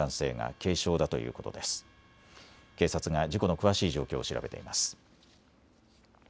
警察が事故の詳しい状況を調べています。